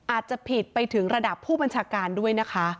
อาจจะผิดไปถึงระดับผู้บัญชาการด้วยนะคะ